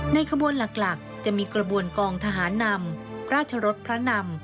ขบวนหลักจะมีกระบวนกองทหารนำราชรสพระนำ